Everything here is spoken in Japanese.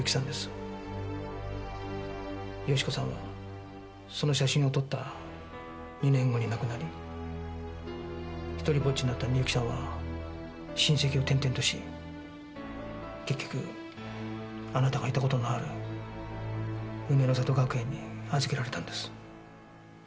美子さんはその写真を撮った２年後に亡くなりひとりぼっちになった美雪さんは親戚を転々とし結局あなたがいた事のある梅の里学園に預けられたんです。